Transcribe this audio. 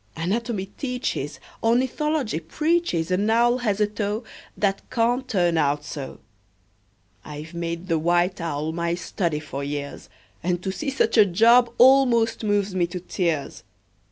Anatomy teaches, Ornithology preaches An owl has a toe That can't turn out so! I've made the white owl my study for years, And to see such a job almost moves me to tears!